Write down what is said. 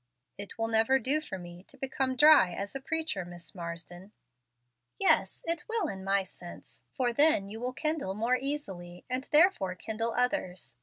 "It will never do for me to become dry as a preacher, Miss Marsden." "Yes, it will in my sense, for then you will kindle more easily, and therefore kindle others.